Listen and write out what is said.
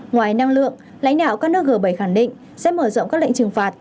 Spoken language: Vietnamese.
ngoài năng lượng lãnh đạo các nước g bảy khẳng định sẽ mở rộng các lệnh trừng phạt